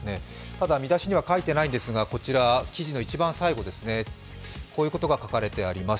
ただ、見出しには書いてないんですが、記事の一番最後にこういうことが書かれています。